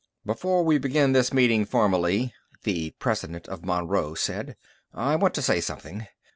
"Before we begin this meeting formally," the president of Monroe said, "I want to say something.